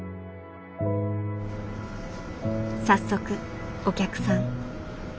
早速お客さん。